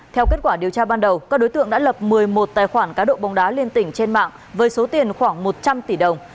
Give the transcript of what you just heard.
theo kết quả điều tra ban đầu các đối tượng đã lập một mươi một tài khoản cá độ bóng đá liên tỉnh trên mạng với số tiền khoảng một trăm linh tỷ đồng